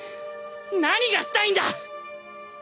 何がしたいんだ！